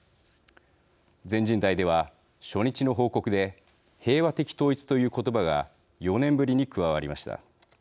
全人代では初日の報告で平和的統一という言葉が４年ぶりに加わりました。